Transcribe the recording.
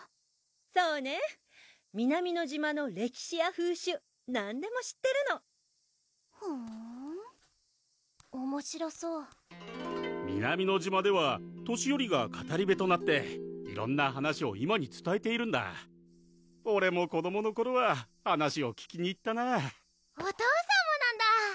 そうね南乃島の歴史や風習何でも知ってるのふんおもしろそう南乃島では年寄りが語り部となって色んな話を今につたえているんだオレも子どもの頃は話を聞きに行ったなぁお父さんもなんだ！